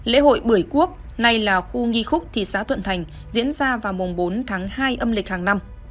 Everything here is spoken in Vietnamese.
lễ hội bưởi quốc nay là khu nghi khúc thị xã thuận thành diễn ra vào mùng bốn tháng hai âm lịch hàng năm